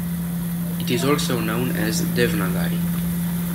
It is also known as Devnagari.